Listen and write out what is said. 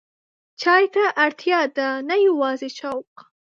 چای ته اړتیا ده، نه یوازې شوق.